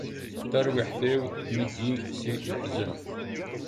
Tarwiḥt-iw tneggi si leḥzen.